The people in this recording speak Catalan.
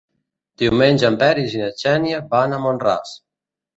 Diumenge en Peris i na Xènia van a Mont-ras.